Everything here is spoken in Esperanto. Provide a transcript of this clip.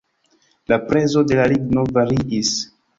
La prezo de la ligno variis.